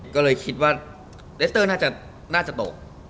ก็เลยคิดว่าเลสเตอร์น่าจะตก